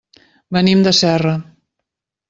Venim de Serra.